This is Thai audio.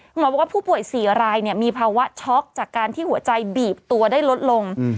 หมอบอกว่าผู้ป่วย๔รายมีภาวะช็อกจากการที่หัวใจบีบตัวได้ลดลง